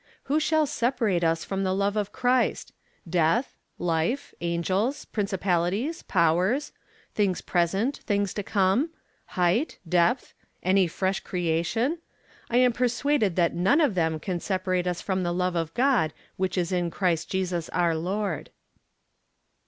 '_Who shall separate us from the love of Christ? Death? Life? Angels? Principalities? Powers? Things Present? Things to Come? Height? Depth? Any fresh Creation? I am persuaded that none of them can separate us from the love of God which is in Christ Jesus our Lord.